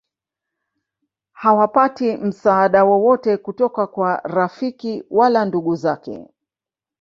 hawapati msaada wowote kutoka kwa rafiki wala ndugu zake